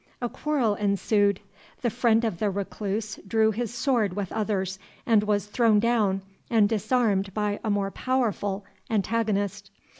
A quarrel ensued; the friend of the Recluse drew his sword with others, and was thrown down and disarmed by a more powerful antagonist.